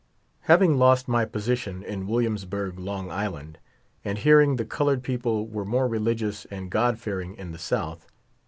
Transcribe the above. Having lost my position in Williamsburg, Long Island, and hearing the colored people were more religious and God fearing in the South.